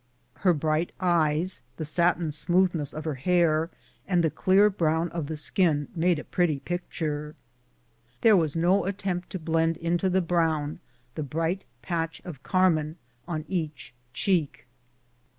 Her bright eyes, the satin smoothness of her hair, and the clear brown of the skin made a pretty picture. There was no at tempt to blend into the brown the bright patch of car mine on each cheek.